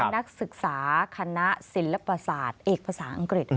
นักศึกษาคณะศิลปศาสตร์เอกภาษาอังกฤษ